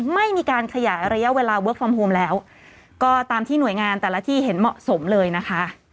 ไม่มีการขยายระยะเวลาเวิร์คฟอร์มโฮมแล้วก็ตามที่หน่วยงานแต่ละที่เห็นเหมาะสมเลยนะคะ